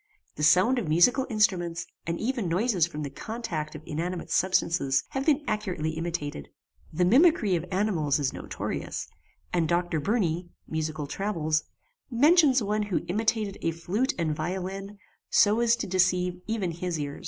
The sound of musical instruments, and even noises from the contact of inanimate substances, have been accurately imitated. The mimicry of animals is notorious; and Dr. Burney (Musical Travels) mentions one who imitated a flute and violin, so as to deceive even his ears.